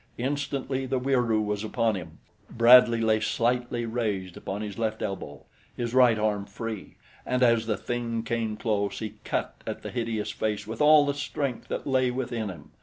Instantly the Wieroo was upon him. Bradley lay slightly raised upon his left elbow, his right arm free, and as the thing came close, he cut at the hideous face with all the strength that lay within him.